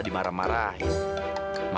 sita mau beluk mama